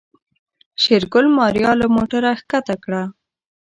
شېرګل ماريا له موټره کښته کړه.